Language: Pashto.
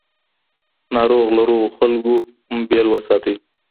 ناروغ له روغو خلکو بیل وساتئ.